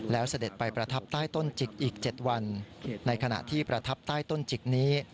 แล้วเสด็จไปประทับใต้ต้นจิกอีก๗วันในขณะที่ประทับใต้ต้นจิกนี้